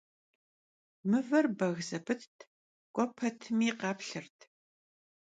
Mıver beg zepıtt, k'ue petmi kheplhırt.